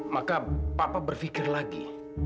maka papa berpikir lagi